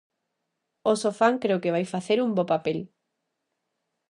O Sofán creo que vai facer un bo papel.